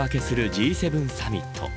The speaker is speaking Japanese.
Ｇ７サミット。